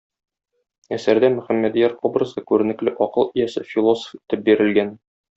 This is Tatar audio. Әсәрдә Мөхәммәдъяр образы күренекле акыл иясе, философ итеп бирелгән.